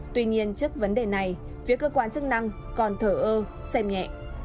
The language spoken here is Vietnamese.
tuy nhiên trước vấn đề này phía cơ quan chức năng còn thở ơ xem nhẹ